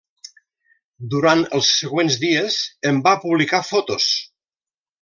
Durant els següents dies en va publicar fotos.